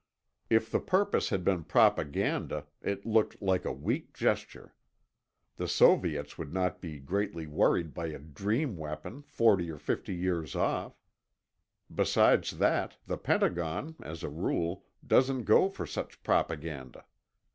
If the purpose had been propaganda, it looked like a weak gesture. The Soviets would not be greatly worried by a dream weapon forty or fifty years off. Besides that, the Pentagon, as a rule, doesn't go for such propaganda.